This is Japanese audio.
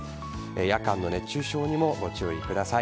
夜間の熱中症にもご注意ください。